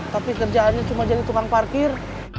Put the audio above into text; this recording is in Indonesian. tapi kerjaannya cuma jadi tukang parkir